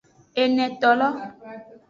Enetolo.